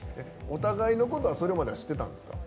お互いのことはそれまで走ってたんですか？